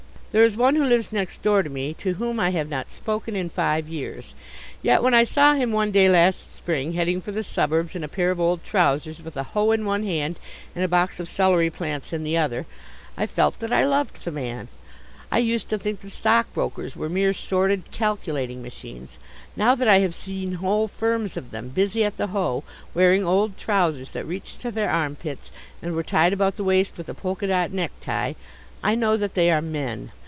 There is one who lives next door to me to whom I have not spoken in five years. Yet when I saw him one day last spring heading for the suburbs in a pair of old trousers with a hoe in one hand and a box of celery plants in the other I felt that I loved the man. I used to think that stock brokers were mere sordid calculating machines. Now that I have seen whole firms of them busy at the hoe, wearing old trousers that reached to their armpits and were tied about the waist with a polka dot necktie, I know that they are men.